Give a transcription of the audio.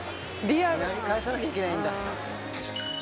返さなきゃいけないんだ。